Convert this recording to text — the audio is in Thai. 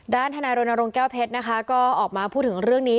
ทนายรณรงค์แก้วเพชรนะคะก็ออกมาพูดถึงเรื่องนี้